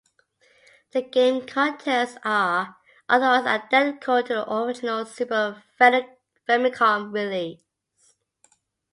The game contents are otherwise identical to the original Super Famicom release.